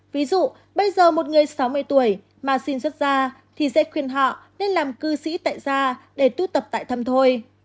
ví dụ bây giờ một người sáu mươi tuổi mà xin xuất ra thì sẽ khuyên họ nên làm cư sĩ tại ra để tu tập tại thăm thôi